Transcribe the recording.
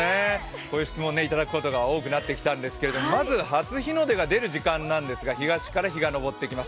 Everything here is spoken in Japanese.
こういう質問をいただくことが多くなってきたんですけどまず初日の出が出る時間なんですが東から日が昇ってきます。